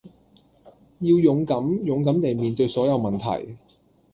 要勇敢，勇敢地面對所有問題